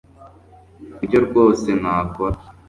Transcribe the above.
nibyo rwose nakora